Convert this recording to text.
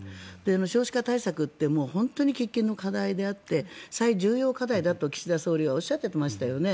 少子化対策って本当に喫緊の課題であって最重要課題だと岸田総理はおっしゃってましたよね。